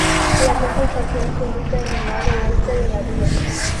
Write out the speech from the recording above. La casa estación se ubica en el lado oeste de la vía.